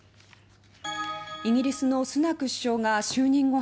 イギリスのスナク首相が就任後